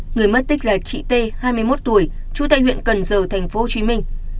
người mất tích là chị t hai mươi một tuổi trú tại huyện cần giờ thành phố hồ chí minh